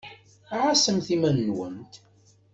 Ɛassemt iman-nwent!